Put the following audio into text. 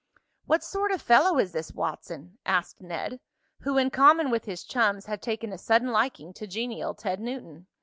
"What sort of fellow is this Watson?" asked Ned, who, in common with his chums, had taken a sudden liking to genial Ted Newton.